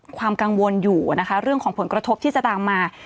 ความกังวลอยู่นะคะเรื่องของผลกระทบที่จะตามมา